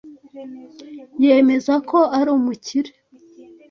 Yemeza ko ari umukire.